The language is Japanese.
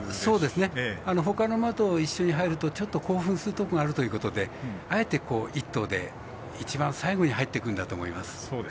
ほかの馬と一緒に入ると興奮するところがあるのであえて１頭で一番最後に入ってくるんだと思います。